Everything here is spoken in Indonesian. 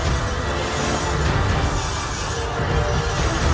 dan menyerang kota yang paling tinggi